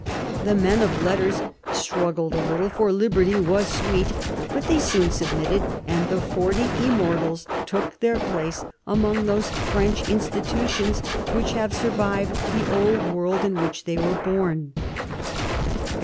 The men of letters struggled a little, for liberty was sweet. But they soon submitted, and the Forty Immortals took their place among those French institutions which have survived the old world in which they were born.